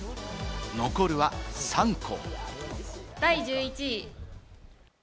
残るは３校。